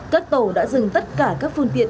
các tổ đã dừng tất cả các phương tiện